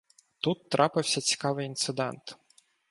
Тут трапився цікавий інцидент.